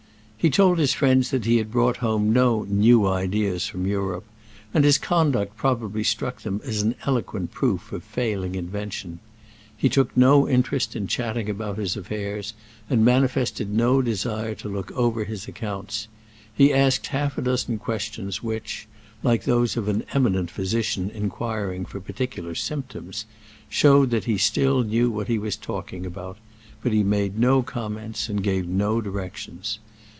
He told his friends that he had brought home no "new ideas" from Europe, and his conduct probably struck them as an eloquent proof of failing invention. He took no interest in chatting about his affairs and manifested no desire to look over his accounts. He asked half a dozen questions which, like those of an eminent physician inquiring for particular symptoms, showed that he still knew what he was talking about; but he made no comments and gave no directions.